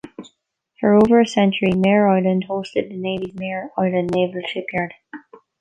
For over a century, Mare Island hosted the Navy's Mare Island Naval Shipyard.